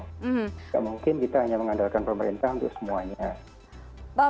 tidak mungkin kita hanya mengandalkan pemerintah untuk semuanya